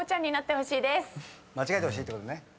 間違えてほしいってことね。